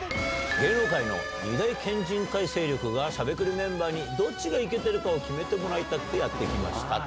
芸能界の２大県人会勢力が、しゃべくりメンバーにどっちがイケてるかを決めてもらいたくて、やって来ましたと。